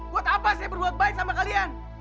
buat apa saya berbuat baik sama kalian